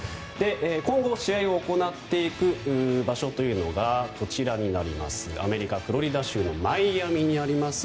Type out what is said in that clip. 今後、試合を行っていく場所がアメリカ・フロリダ州のマイアミにあります